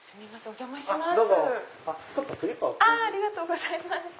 お邪魔します。